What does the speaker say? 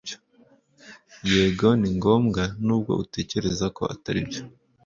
Yego ni ngombwa nubwo utekereza ko atari byo